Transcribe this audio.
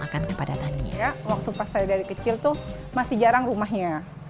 waktu saya dari kecil masih jarang rumahnya